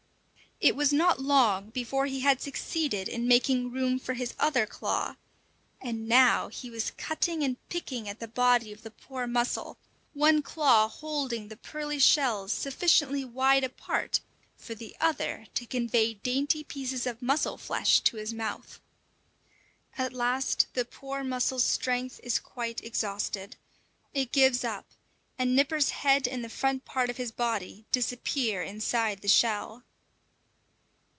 It was not long before he had succeeded in making room for his other claw, and now he was cutting and picking at the body of the poor mussel, one claw holding the pearly shells sufficiently wide apart for the other to convey dainty pieces of mussel flesh to his mouth. At last the poor mussel's strength is quite exhausted. It gives up, and Nipper's head and the front part of his body disappear inside the shell.